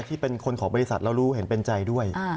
ที่เป็นคนของบริษัทแล้วรู้เห็นเป็นใจด้วย